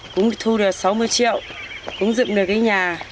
cũng thu được sáu mươi triệu cũng dựng được cái nhà